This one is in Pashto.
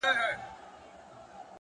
هره تېروتنه د پوهې بیه ده.